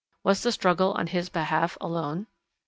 Was the struggle on his behalf alone?